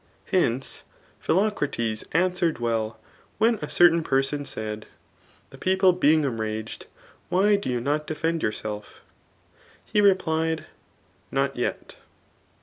Hence, Phi|ocrates answered well, when a certain person said, the people being enraged, why do you not defend yourself f He replied, not yet.